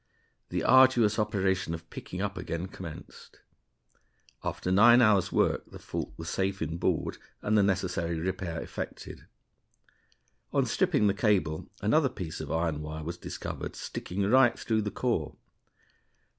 The arduous operation of picking up again commenced. After nine hours' work the fault was safe inboard, and the necessary repair effected. On stripping the cable another piece of iron wire was discovered sticking right through the core.